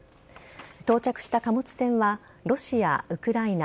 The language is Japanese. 到着した貨物船はロシア、ウクライナ